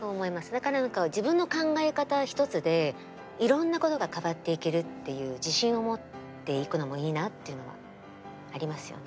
だから何か自分の考え方一つでいろんなことが変わっていけるっていう自信を持っていくのもいいなっていうのはありますよね。